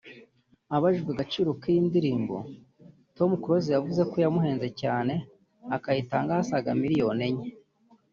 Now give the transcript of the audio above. Abajijwe agaciro k’iyi ndirimbo Tom Close yavuze ko yamuhenze cyane akayitangaho asaga miliyoni enye